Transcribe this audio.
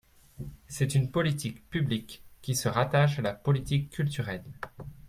C’est une politique publique, qui se rattache à la politique culturelle.